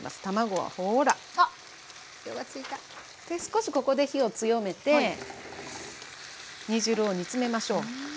で少しここで火を強めて煮汁を煮詰めましょう。